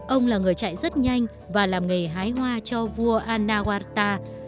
ông là người chạy rất nhanh và làm nghề hái hoa cho vua anawata